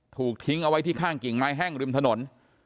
ถูกทิ้งเอาไว้ที่ข้างกิ่งไม้แห้งริมถนน